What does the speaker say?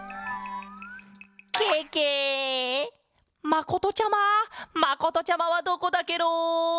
まことちゃままことちゃまはどこだケロ！